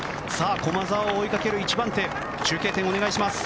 駒澤を追いかける１番手中継点、お願いします。